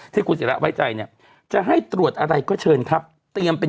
ที่คุณศิราไว้ใจเนี่ยจะให้ตรวจอะไรก็เชิญครับเตรียมเป็น